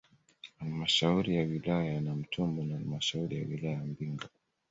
Halmashauri ya wilaya ya Namtumbo na halmashauri ya wilaya ya Mbinga